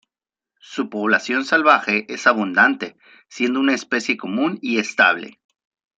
Su población salvaje es abundante, siendo una especie común y estable.